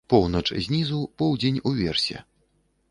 Поўнач знізу, поўдзень уверсе.